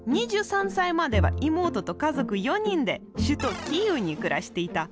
２３歳までは妹と家族４人で首都キーウに暮らしていた。